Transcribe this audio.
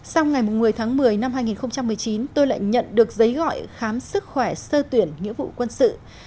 sau ngày một mươi tháng một mươi năm hai nghìn một mươi chín tôi lại nhận được giấy gọi khám sức khỏe sơ tuyển nghĩa vụ quân sự